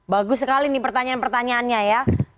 bagus sekali nih pertanyaan pertanyaannya ya